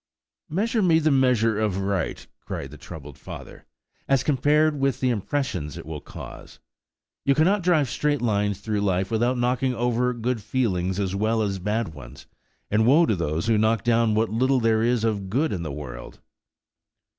"Measure me the measure of right," cried the troubled father, "as compared with the impressions it will cause. You cannot drive straight lines through life without knocking over good feelings as well as bad ones, and woe to those who knock down what little there is of good in the world!"